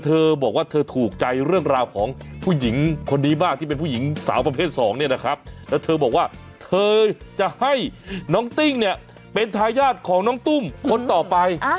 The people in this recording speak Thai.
เธอบอกว่าเธอถูกใจเรื่องราวของผู้หญิงคนนี้มากที่เป็นผู้หญิงสาวประเภทสองเนี่ยนะครับแล้วเธอบอกว่าเธอจะให้น้องติ้งเนี่ยเป็นทายาทของน้องตุ้มคนต่อไป